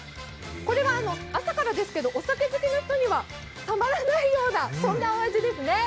これは朝からですけど、お酒好きの人にはたまらないようなそんなお味ですね。